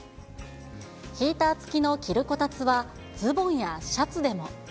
ヒーター付きの着るこたつは、ズボンやシャツでも。